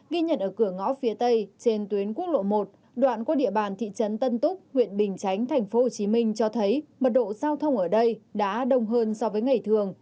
ghi nhận ở cửa ngõ phía tây trên tuyến quốc lộ một đoạn qua địa bàn thị trấn tân túc huyện bình chánh thành phố hồ chí minh cho thấy mật độ giao thông ở đây đã đông hơn so với ngày thường